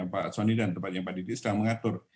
pak soni dan tempatnya pak didi sedang mengatur